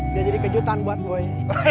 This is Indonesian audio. udah jadi kejutan buat boy